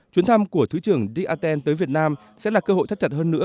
chuyến thăm của thứ trưởng dy aten tới việt nam sẽ là cơ hội thắt chặt hơn nữa